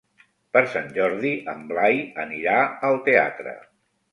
Per Sant Jordi en Blai anirà al teatre.